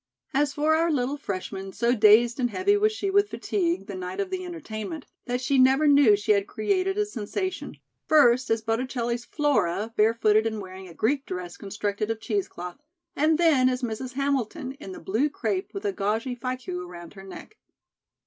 As for our little freshman, so dazed and heavy was she with fatigue, the night of the entertainment, that she never knew she had created a sensation, first as Botticelli's "Flora," barefooted and wearing a Greek dress constructed of cheesecloth, and then as "Mrs. Hamilton," in the blue crepe with a gauzy fichu around her neck.